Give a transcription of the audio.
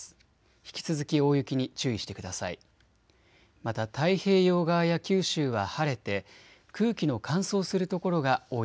引き続き大雪に注意してください。